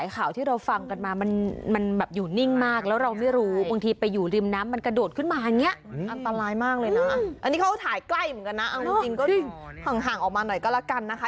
ใกล้เหมือนกันนะเอาจริงก็ห่างออกมาหน่อยก็ละกันนะคะ